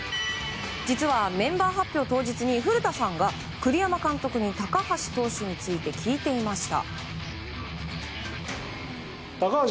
実はメンバー発表当日に古田さんが栗山監督に高橋投手について聞いていました。